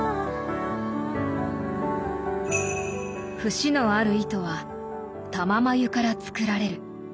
節のある糸は「玉繭」から作られる。